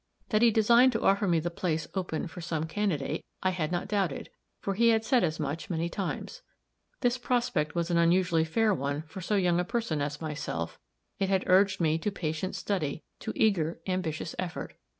That he designed to offer me the place open for some candidate, I had not doubted, for he had said as much many times. This prospect was an unusually fair one for so young a person as myself; it had urged me to patient study, to eager, ambitious effort.